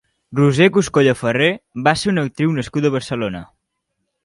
Roser Coscolla i Ferrer va ser una actriu nascuda a Barcelona.